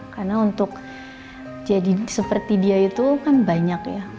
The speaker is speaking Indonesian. karena untuk jadi seperti dia itu kan banyak ya